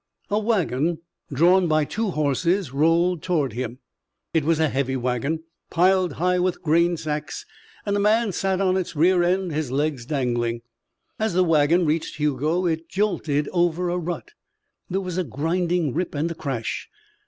A wagon drawn by two horses rolled toward him. It was a heavy wagon, piled high with grain sacks, and a man sat on its rear end, his legs dangling. As the wagon reached Hugo, it jolted over a rut. There was a grinding rip and a crash.